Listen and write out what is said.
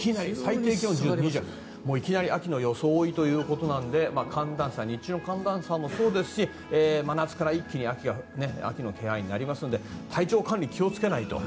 いきなり秋の装いということなので日中の寒暖差もそうですし真夏から一気に秋の気配になりますので体調管理に気を付けないと。